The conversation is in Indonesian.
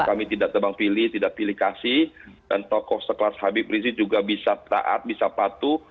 kami tidak tebang pilih tidak pilih kasih dan tokoh sekelas habib rizik juga bisa taat bisa patuh